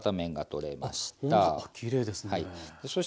きれいですね。